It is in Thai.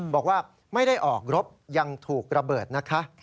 บอกว่าไม่ได้ออกรบยังถูกระเบิดนะคะ